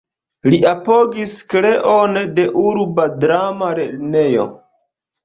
Li apogis kreon de Urba Dram-Lernejo.